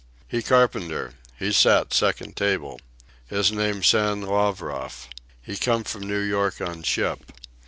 "He carpenter. He sat second table. His name Sam Lavroff. He come from New York on ship.